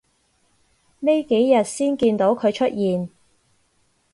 呢幾日先見到佢出現